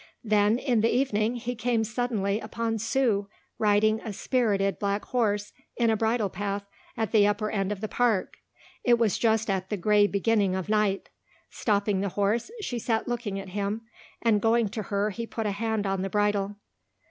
Then in the evening, he came suddenly upon Sue riding a spirited black horse in a bridle path at the upper end of the park. It was just at the grey beginning of night. Stopping the horse, she sat looking at him and going to her he put a hand on the bridle.